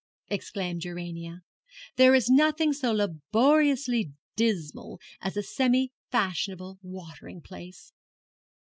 exclaimed Urania. 'There is nothing so laboriously dismal as a semi fashionable watering place.'